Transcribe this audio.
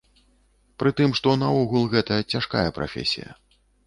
Прытым, што наогул гэта цяжкая прафесія.